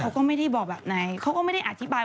เขาก็ไม่ได้บอกแบบไหน